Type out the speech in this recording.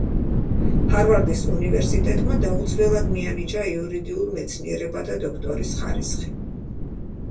ჰარვარდის უნივერსიტეტმა დაუცველად მიანიჭა იურიდიულ მეცნიერებათა დოქტორის ხარისხი.